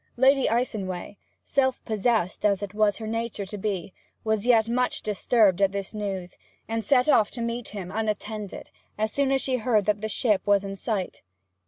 Lady Icenway, self possessed as it was her nature to be, was yet much disturbed at this news, and set off to meet him, unattended, as soon as she heard that the ship was in sight.